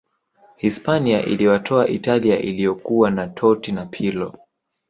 hispania iliwatoa italia iliyokuwa na totti na pirlo